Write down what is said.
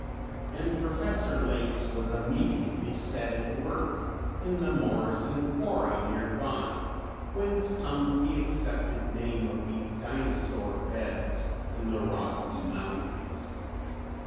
And Professor Lakes was immediately set at work in the "Morrison quarry" near by, whence comes the accepted name of these dinosaur beds in the Rocky Mountains.